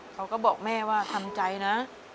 เขาก็บอกแม่ว่าทำใจนะ